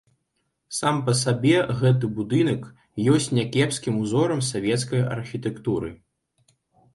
Сам па сабе гэты будынак ёсць някепскім узорам савецкай архітэктуры.